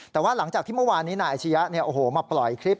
แต่ว่าหลังจากที่เมื่อวานนี้นายอาชียะมาปล่อยคลิป